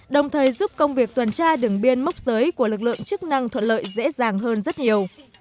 đồng thời giúp công việc tuần tra đường biên mốc giới của lực lượng chức năng thuận lợi dễ dàng hơn rất nhiều